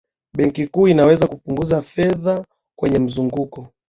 benki kuu inaweza kupunguza fedha kwenye mzunguko